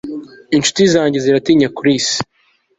Inshuti zanjye ziranyita Chris